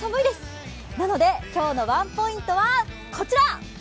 ですので、今日のワンポイントはこちら。